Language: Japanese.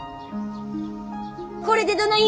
これでどない？